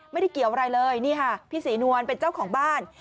ไม่ได้เกี่ยวอะไรเลยนี่ค่ะพี่ศรีนวลเป็นเจ้าของบ้าน